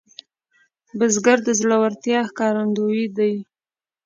بزګر د زړورتیا ښکارندوی دی